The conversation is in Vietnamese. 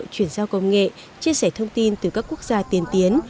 chuyển giao công nghệ chia sẻ thông tin từ các quốc gia tiền tiến